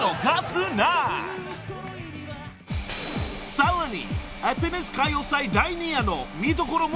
［さらに］